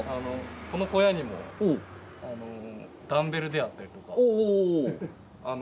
この小屋にもダンベルであったりとか。